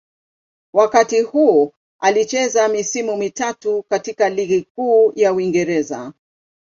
Wakati huu alicheza misimu mitatu katika Ligi Kuu ya Uingereza.